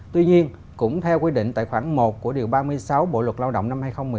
tuy nhiên cũng theo quy định tài khoản một của điều ba mươi sáu bộ luật lao động năm hai nghìn một mươi năm